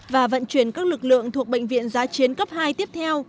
và vận chuyển các lực lượng thuộc bệnh viện giá chiến cấp hai tiếp theo